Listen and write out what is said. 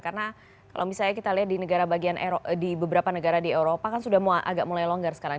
karena kalau misalnya kita lihat di beberapa negara di eropa kan sudah agak mulai longgar sekarang